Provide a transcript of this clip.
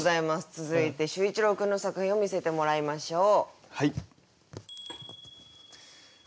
続いて秀一郎君の作品を見せてもらいましょう。